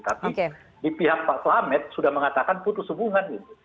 tapi di pihak pak selamet sudah mengatakan putus hubungan gitu